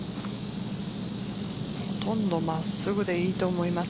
ほとんど真っすぐでいいと思います。